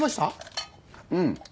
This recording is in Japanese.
うん。